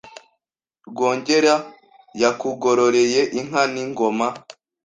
Rwogera yakugororeye inka n'ingoma